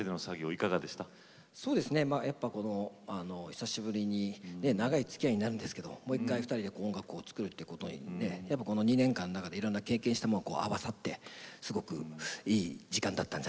久しぶりに長いつきあいになるんですけどもう一回２人で音楽を作るということでねこの２年間の中でいろんな経験したものが合わさってすごくいい時間だったんじゃないかなと思います。